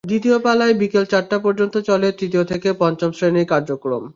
দ্বিতীয় পালায় বিকেল চারটা পর্যন্ত চলে তৃতীয় থেকে পঞ্চম শ্রেণির কার্যক্রম।